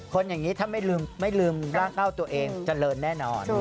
คนอย่างนี้ถ้าไม่ลืมร่างเก้าตัวเองเจริญแน่นอน